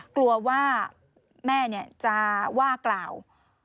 กลัวว่าแม่จะว่ากล่าว